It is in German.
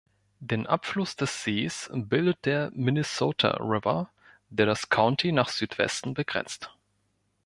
Den Abfluss des Sees bildet der Minnesota River, der das County nach Südwesten begrenzt.